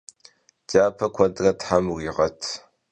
Dyape kuedre them vuriğet!